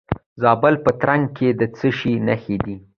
د زابل په ترنک کې د څه شي نښې دي؟